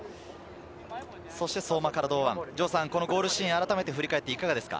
そして相馬から堂安、このゴールシーンを振り返ってどうですか？